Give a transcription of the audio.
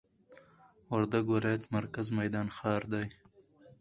وردګ ولايت مرکز میدان ښار دي